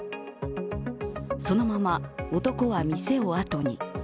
そのまま男は店をあとに。